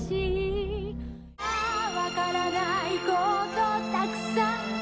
「あぁわからないことたくさん」